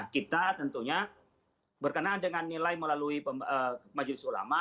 kita tentunya berkenaan dengan nilai melalui majelis ulama